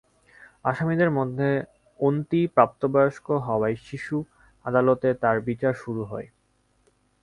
আসামিদের মধ্যে অন্তি অপ্রাপ্তবয়স্ক হওয়ায় শিশু আদালতে তাঁর বিচার শুরু হয়।